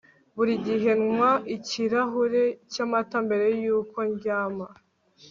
Buri gihe nywa ikirahuri cyamata mbere yo kuryama